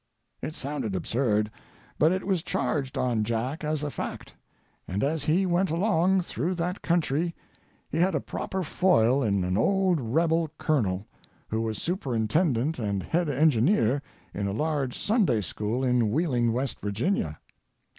It sounded absurd, but it was charged on Jack as a fact, and as he went along through that country he had a proper foil in an old rebel colonel, who was superintendent and head engineer in a large Sunday school in Wheeling, West Virginia.